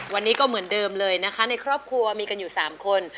วันนี้ก็เหมือนเดิมเลยนะคะในครอบครัวมีกันอยู่๓คน